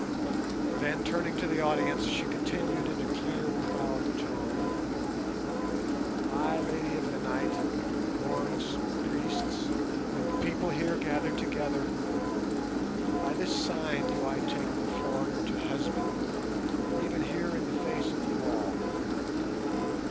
Then, turning to the audience, she continued in a clear proud tone, "Ay, Lady of the Night, Lords, Priests, and People here gathered together, by this sign do I take the foreigner to husband, even here in the face of you all.